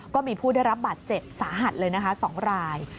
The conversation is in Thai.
ก็มีผู้ได้รับบัตรเจ็บสะหัดเลยนะคะสองราย